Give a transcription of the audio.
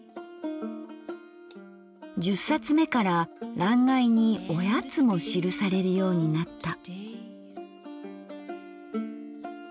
１０冊目から欄外に「おやつ」も記されるようになった。